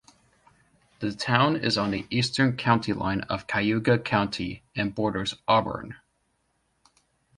The town is on the eastern county line of Cayuga County and borders Auburn.